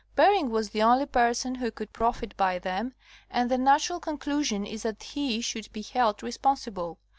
Bering was the only person who could profit by them and the natural conclusion is that he should be held responsible.